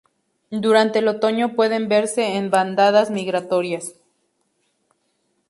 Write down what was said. Durante el otoño pueden verse en bandadas migratorias.